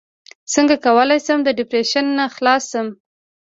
څنګه کولی شم د ډیپریشن نه خلاص شم